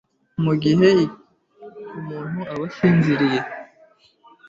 mu gihe umuntu aba asinziriye,